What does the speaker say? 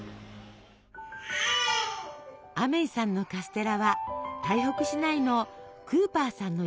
アメイさんのカステラは台北市内のクーパーさんの家へ。